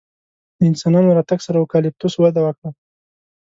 د انسانانو راتګ سره اوکالیپتوس وده وکړه.